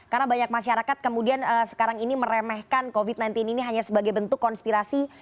karena banyak masyarakat kemudian sekarang ini meremehkan covid sembilan belas ini hanya sebagai bentuk konspirasi